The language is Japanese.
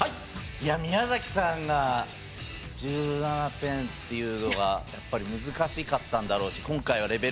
いや宮崎さんが１７点っていうのがやっぱり難しかったんだろうし。